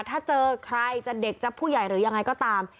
ถ้าเจอใครจะเด็กจะผู้ใหญ่หรือยังไงก็ตาม